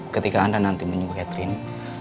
ketika anda nanti menyuguh catherine